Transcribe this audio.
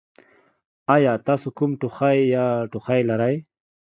ایا تاسو کوم ټوخی یا ټوخی لرئ؟